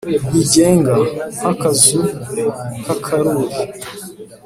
Rwigenga nkakazu kakaruri